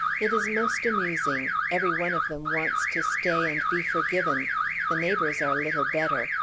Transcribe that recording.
It is most amusing; every one of them wants to stay and be forgiven. The neighbors are little better.